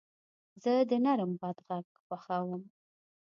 زه د نرم باد غږ خوښوم.